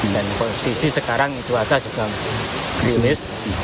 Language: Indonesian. dan posisi sekarang cuaca juga berilis